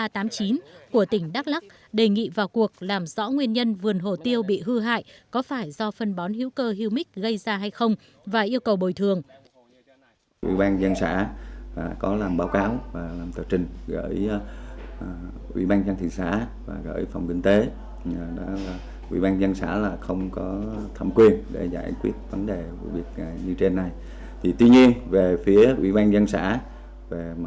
trong khi xảy ra sự việc chưa biết vườn hồ tiêu bị hư hại có phải do phân bón gây ra hay không nhưng phía công ty cổ phần phân hữu cơ humix quảng ngãi có thỏa thuận là sẽ hỗ trợ cho gia đình ông phú một mươi bốn triệu đồng để phục hồi lại vườn hồ tiêu